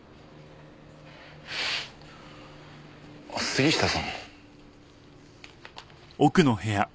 杉下さん。